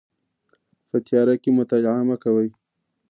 په تیاره کې مطالعه مه کوئ